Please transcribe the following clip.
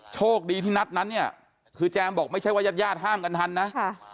โชคดีที่นัดนั้นเนี่ยคือแจมบอกไม่ใช่ว่าญาติญาติห้ามกันทันนะค่ะ